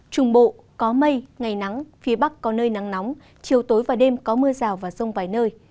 trung bộ có mây ngày nắng phía bắc có nơi nắng nóng chiều tối và đêm có mưa rào và rông vài nơi